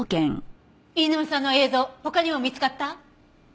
飯沼さんの映像他にも見つかった？